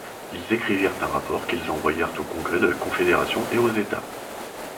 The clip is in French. Ils écrivirent un rapport qu'ils envoyèrent au Congrès de la Confédération et aux États.